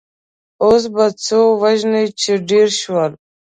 اوس به څو وژنې چې ډېر شول.